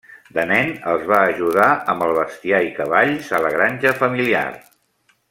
De nen els va ajudar amb el bestiar i cavalls a la granja familiar.